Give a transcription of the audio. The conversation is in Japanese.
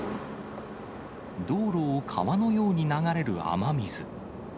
道路を川のように流れる雨水。